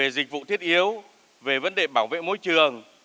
dịch vụ thiết yếu về vấn đề bảo vệ môi trường